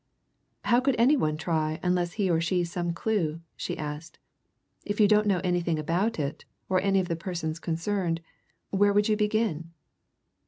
"How could any one try unless he or she's some clue?" she asked. "If you don't know anything about it, or any of the persons concerned, where would you begin?"